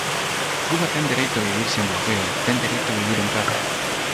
Cuba ten dereito a vivir sen bloqueo, ten dereito a vivir en paz.